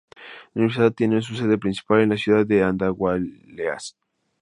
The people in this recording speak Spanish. La universidad tiene su sede principal en la ciudad de Andahuaylas.